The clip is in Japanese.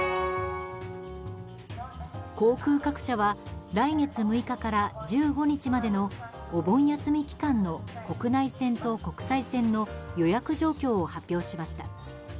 航空各社は来月６日から１５日までのお盆休み期間の国内線と国際線の予約状況を発表しました。